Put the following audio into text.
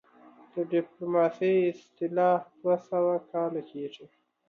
د ډيپلوماسۍ اصطلاح دوه سوه کاله کيږي